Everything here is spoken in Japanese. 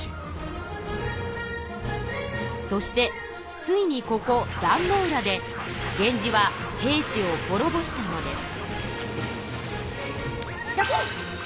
そしてついにここ壇ノ浦で源氏は平氏を滅ぼしたのです。